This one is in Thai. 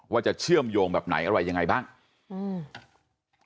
เชื่อมโยงแบบไหนอะไรยังไงบ้างอืม